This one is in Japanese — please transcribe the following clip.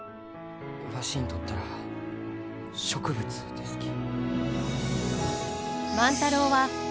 わしにとったら植物ですき。